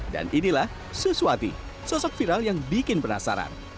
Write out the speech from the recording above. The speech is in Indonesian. dan inilah sesuati sosok viral yang bikin penasaran